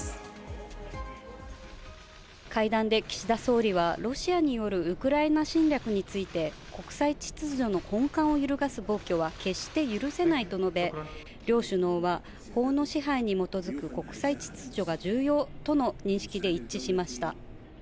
会談で岸田総理は、ロシアによるウクライナ侵略について、国際秩序の根幹を揺るがす暴挙は決して許せないと述べ、両首脳は、法の支配に基づく国際秩序が重要との認識で一致しました。